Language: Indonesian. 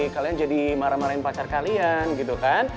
kalian jadi marah marahin pacar kalian gitu kan